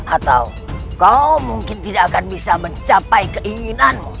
atau kau mungkin tidak akan bisa mencapai keinginanmu